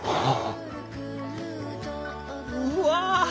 うわ！